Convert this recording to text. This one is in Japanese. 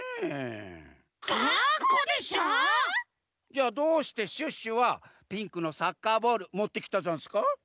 じゃあどうしてシュッシュはピンクのサッカーボールもってきたざんすか？